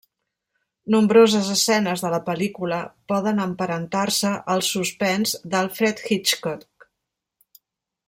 Nombroses escenes de la pel·lícula poden emparentar-se al suspens d'Alfred Hitchcock.